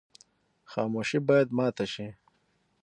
خاموشي باید ماته شي.